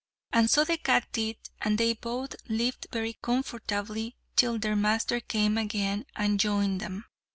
And so the cat did, and they both lived very comfortably till their master came again and joined them.